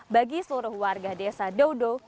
bagi seluruh warga desa dodo